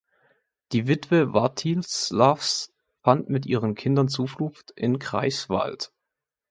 Die Witwe Wartislaws fand mit ihren Kindern Zuflucht in Greifswald.